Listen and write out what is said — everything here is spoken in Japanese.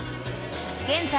［現在